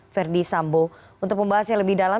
verdi sambo untuk pembahas yang lebih dalam